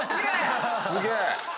すげえ！